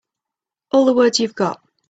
All the words you've got.